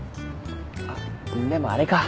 あっでもあれか。